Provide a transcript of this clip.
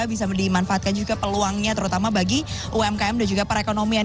bisa dimanfaatkan juga peluangnya terutama bagi umkm dan juga perekonomian